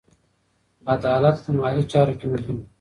عدالت په مالي چارو کې مهم دی.